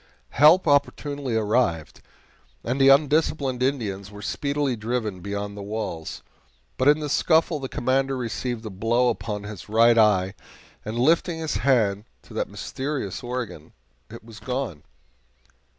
Help opportunely arrived, and the undisciplined Indians were speedily driven beyond the walls, but in the scuffle the Commander received a blow upon his right eye, and, lifting his hand to that mysterious organ, it was gone.